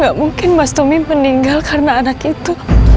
gak mungkin mas tommy meninggal karena anak itu